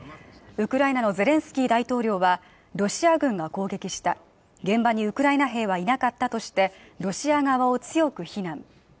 ウクライナのゼレンスキー大統領は、ロシア軍が攻撃した、現場にウクライナ兵はいなかったとしてロシア側を強く非難。